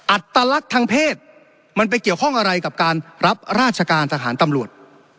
อัตลักษณ์ทางเพศมันไปเกี่ยวข้องอะไรกับการรับราชการทหารตำรวจ